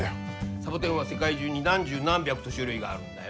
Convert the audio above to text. サボテンは世界中に何十何百と種類があるんだよ。